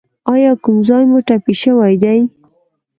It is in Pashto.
ایا کوم ځای مو ټپي شوی دی؟